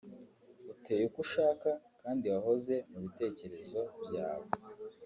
uteye uko ushaka kandi wahoze mu bitekerezo byawe